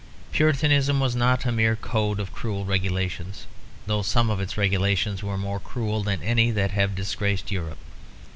Puritanism was not a mere code of cruel regulations, though some of its regulations were more cruel than any that have disgraced Europe.